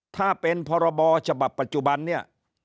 ถ้าเป็นพรบฉบับปัจจุบันเนี่ย